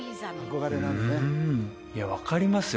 うんいや分かりますよ